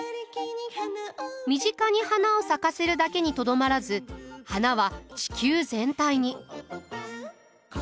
身近に花を咲かせるだけにとどまらず花は地球全体に。